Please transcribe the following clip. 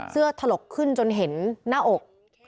เสื้อถลกขึ้นจนเห็นหน้าอก